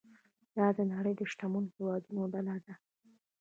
دا د نړۍ د شتمنو هیوادونو ډله ده.